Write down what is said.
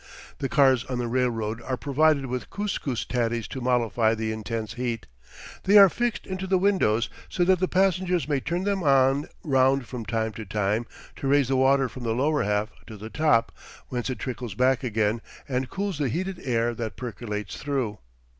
The cars on the railroad are provided with kus kus tatties to mollify the intense heat. They are fixed into the windows so that the passengers may turn them round from time to time to raise the water from the lower half to the top, whence it trickles back again and cools the heated air that percolates through.